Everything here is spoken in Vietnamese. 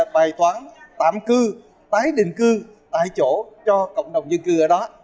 bài toán tạm cư tái định cư tại chỗ cho cộng đồng dân cư ở đó